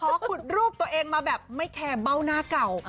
ขุดรูปตัวเองมาแบบไม่แคร์เบ้าหน้าเก่า